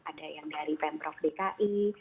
ada yang dari pemprov dki